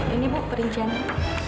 ini bu perinciannya